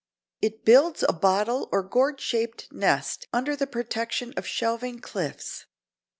It builds a bottle or gourd shaped nest under the protection of shelving cliffs.